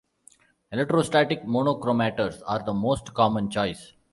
Electrostatic monochromators are the most common choice.